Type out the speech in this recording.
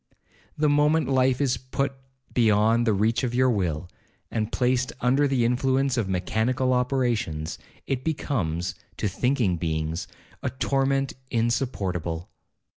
The moment life is put beyond the reach of your will, and placed under the influence of mechanical operations, it becomes, to thinking beings, a torment insupportable.